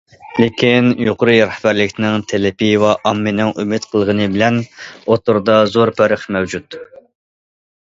لېكىن يۇقىرى رەھبەرلىكنىڭ تەلىپى ۋە ئاممىنىڭ ئۈمىد قىلغىنى بىلەن ئوتتۇرىدا زور پەرق مەۋجۇت.